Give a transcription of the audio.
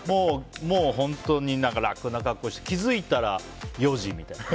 本当に、楽な格好で気づいたら４時みたいな。